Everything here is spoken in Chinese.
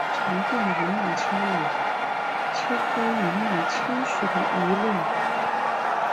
长臀云南鳅为鳅科云南鳅属的鱼类。